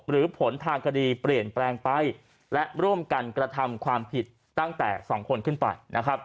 ผลทางคดีเปลี่ยนแปลงไปและร่วมกันกระทำความผิดตั้งแต่๒คนขึ้นไป